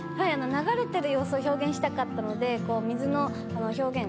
流れてる様子を表現したかったので。